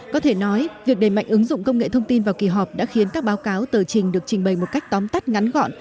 có thể nói việc đề mạnh ứng dụng công nghệ thông tin vào kỳ họp đã khiến các báo cáo tờ trình được trình bày một cách tóm tắt ngắn gọn